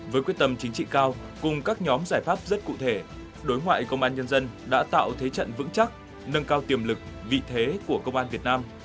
với quyết tâm chính trị cao cùng các nhóm giải pháp rất cụ thể đối ngoại công an nhân dân đã tạo thế trận vững chắc nâng cao tiềm lực vị thế của công an việt nam